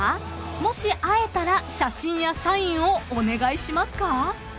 ［もし会えたら写真やサインをお願いしますか？］